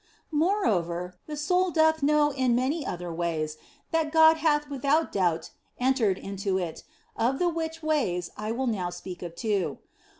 Moreover, the soul doth know in many other ways that God hath without doubt entered into it, of the which ways I will now speak of two.